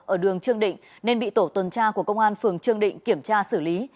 ở đường trương định nên bị tổ tuần tra của công an phường trương định kiểm tra xử lý